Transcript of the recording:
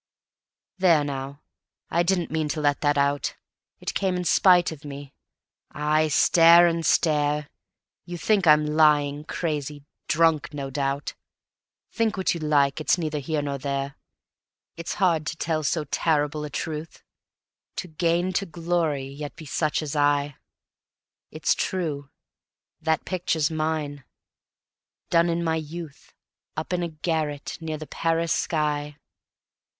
There now, I didn't mean to let that out. It came in spite of me aye, stare and stare. You think I'm lying, crazy, drunk, no doubt Think what you like, it's neither here nor there. It's hard to tell so terrible a truth, To gain to glory, yet be such as I. It's true; that picture's mine, done in my youth, Up in a garret near the Paris sky.